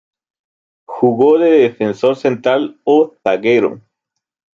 Jugó de defensor central o zaguero.